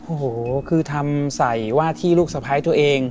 โอ้โหคือทำใส่ว่าที่ลูกสะพ้ายตัวเอง